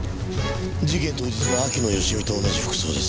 事件当日の秋野芳美と同じ服装です。